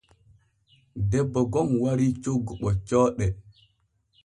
Debbo gom warii coggu ɓoccooɗe.